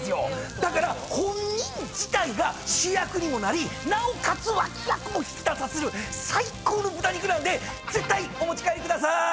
だから本人自体が主役にもなりなおかつ脇役も引き立たせる最高の豚肉なので絶対お持ち帰りくださーい！